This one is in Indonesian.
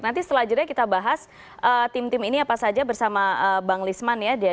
nanti setelah jeda kita bahas tim tim ini apa saja bersama bang lisman ya